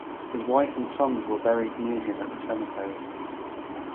His wife and sons were buried near him at the cemetery.